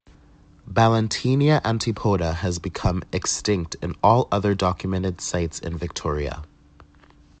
Ballantinia antipoda has become extinct in all other documented sites in Victoria.